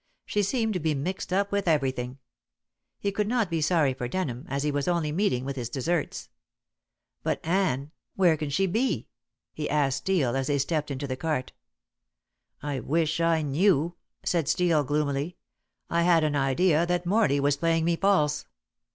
She seemed to be mixed up with everything. He could not be sorry for Denham, as he was only meeting with his deserts. "But Anne where can she be?" he asked Steel, as they stepped into the cart. "I wish I knew," said Steel gloomily. "I had an idea that Morley was playing me false."